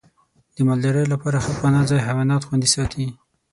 د مالدارۍ لپاره ښه پناه ځای حیوانات خوندي ساتي.